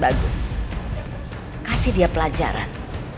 bagus kasih dia pelajaran